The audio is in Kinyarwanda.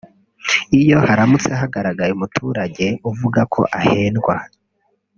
Iyo haramutse hagaragaye umuturage uvuga ko ahendwa